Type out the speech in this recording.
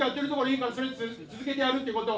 続けてやるっていうこと！